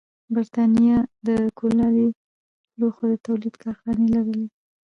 برېټانیا د کولالي لوښو د تولید کارخانې لرلې.